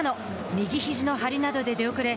右ひじの張りなどで出遅れ